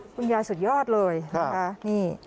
คุณยายสุดยอดเลยนะคะนี่